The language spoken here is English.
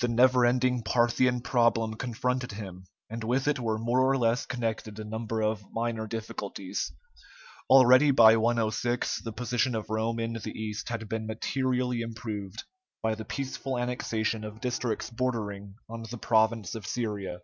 The never ending Parthian problem confronted him, and with it were more or less connected a number of minor difficulties. Already by 106 the position of Rome in the East had been materially improved by the peaceful annexation of districts bordering on the province of Syria.